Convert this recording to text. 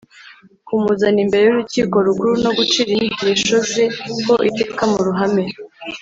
Kumuzana imbere y’Urukiko Rukuru no gucira inyigisho Ze ho iteka mu ruhame